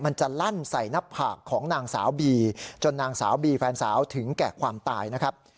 มันจะลั่นใส่หน้าผากของนางสาวบีจนนางสาวบีแฟนสาวถึงแก่ความตายนะครับ